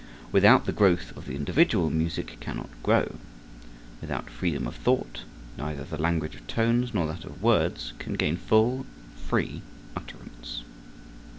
Without the growth of the individual, music cannot grow; without freedom of thought, neither the language of tones nor that of words can gain full, free utterance.